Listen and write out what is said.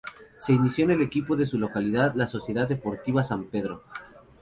Se inició en el equipo de su localidad, la Sociedad Deportiva San Pedro.